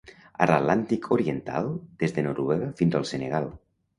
A l'Atlàntic Oriental, des de Noruega fins al Senegal.